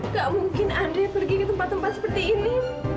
gak mungkin ade pergi ke tempat tempat seperti ini